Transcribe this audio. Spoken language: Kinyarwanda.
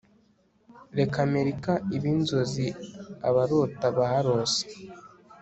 reka amerika ibe inzozi abarota barose-